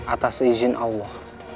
atas izin allah